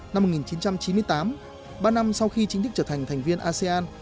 năm một nghìn chín trăm chín mươi tám ba năm sau khi chính thức trở thành thành viên asean